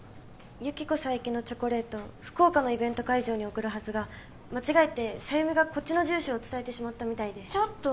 ユキコ・サエキのチョコレート福岡のイベント会場に送るはずが間違えて佐弓がこっちの住所を伝えてしまったみたいでちょっと！